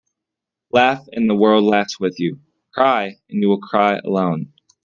Laugh and the world laughs with you. Cry and you cry alone.